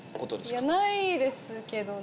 いやないですけどね